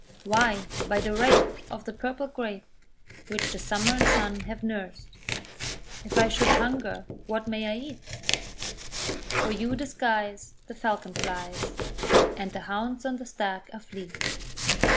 "Why by the rape Of the purple grape, Which the summer and sun have nursed." If I should hunger what may I eat? "For you the skies The falcon flies, And the hounds on the stag are fleet."